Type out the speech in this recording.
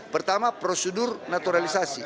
pertama prosedur naturalisasi